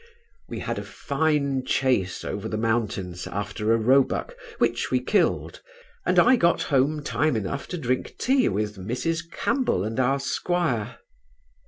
We had a fine chace over the mountains, after a roebuck, which we killed, and I got home time enough to drink tea with Mrs Campbell and our 'squire.